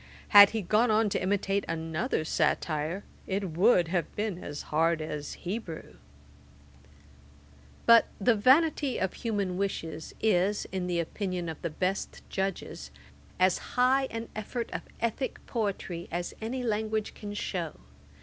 Had he gone on to imitate another satire, it would have been as hard as Hebrew.' [Page 194: Lydiat's life. A.D. 1749.] But The Vanity of Human Wishes is, in the opinion of the best judges, as high an effort of ethick poetry as any language can shew.